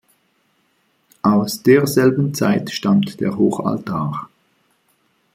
Aus derselben Zeit stammt der Hochaltar.